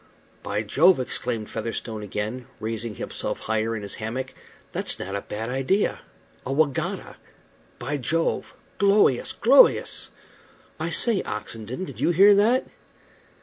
"By Jove!" exclaimed Featherstone again, raising himself higher in his hammock, "that's not a bad idea. A wegatta! By Jove! glowious! glowious! I say, Oxenden, did you hear that?"